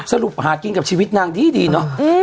สรุปหากินกับชีวิตนางดีเนอะ